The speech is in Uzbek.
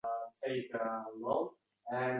«Ko‘zingga qara, bolam, chuqur bor», dermish nuqul.